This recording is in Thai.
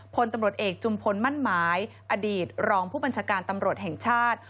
พลตำรวจเอกจุมพลมั่นหมายอดีตรองผู้บัญชาการตำรวจแห่งชาติ